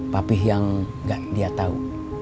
papih yang gak dia tau